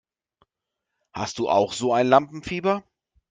Hast du auch so ein Lampenfieber?